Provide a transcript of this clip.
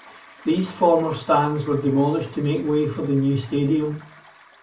These former stands were demolished to make way for the new stadium.